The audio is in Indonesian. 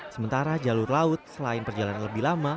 sementara jalur laut selain perjalanan lebih lama